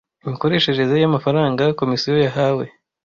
imikoreshereze y amafaranga komisiyo yahawe